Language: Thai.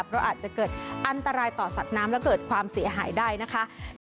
เพราะอาจจะเกิดอันตรายต่อสัตว์น้ำและเกิดความเสียหายได้นะคะ